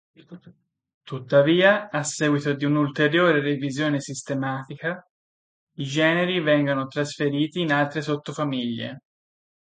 Tuttavia, a seguito di un'ulteriore revisione sistematica, i generi vengono trasferiti in altre sottofamiglie.